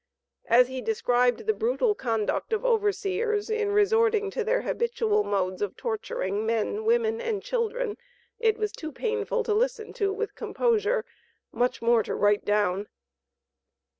As he described the brutal conduct of overseers in resorting to their habitual modes of torturing men, women, and children, it was too painful to listen to with composure, much more to write down.